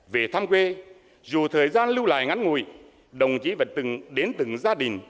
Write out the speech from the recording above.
về thăm quê dù thời gian lưu lại ngắn ngùi đồng chí vẫn từng đến từng gia đình